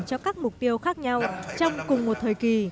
cho các mục tiêu khác nhau trong cùng một thời kỳ